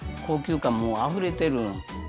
高級感もうあふれてる。